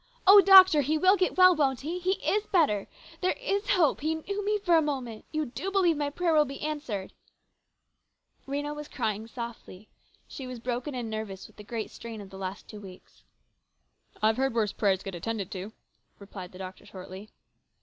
" Oh, doctor, he will get well, won't he ? He is better ? There is hope ? He knew me for a moment ! You do believe my prayer will be answered ?" Rhena was crying softly. She was broken and nervous with the great strain of the last two weeks. " I've heard worse prayers get attended to," replied the doctor shortly.